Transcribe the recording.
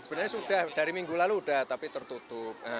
sebenarnya sudah dari minggu lalu sudah tapi tertutup